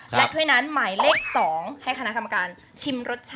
และถ้วยนั้นหมายเลข๒ให้คณะกรรมการชิมรสชาติ